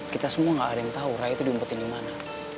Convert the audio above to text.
kita semua gak ada yang tau rai tuh diumpetin dimana